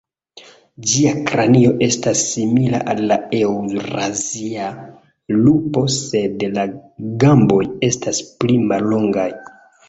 Ĝia kranio estas simila al la eŭrazia lupo, sed la gamboj estas pli mallongaj.